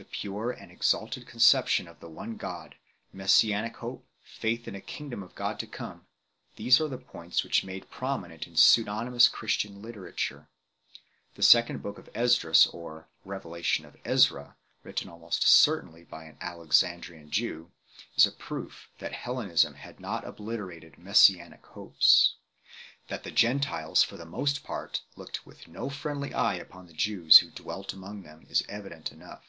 The pure and exalted conception of the one God, Messianic hope, faith in a kingdom of God to come these are the points which are made prominent in pseudonymous Jewish literature. The second book of Esdras, or "Revelation of Ezra 2 ," written almost certainly by an Alexandrian Jew, is a proof that Hellenism had not obliterated Messianic hopes. That the Gentiles for the most part looked with no friendly eye upon the Jews who dwelt among them is evident enough.